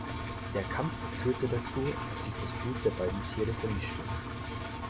Der Kampf führte dazu, dass sich das Blut der beiden Tiere vermischte.